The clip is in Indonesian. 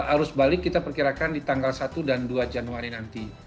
arus balik kita perkirakan di tanggal satu dan dua januari nanti